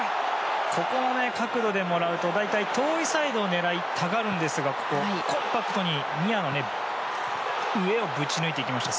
ここの角度でもらうと大体、遠いサイドを狙いたがるんですがコンパクトにニアの上をぶち抜いていきました。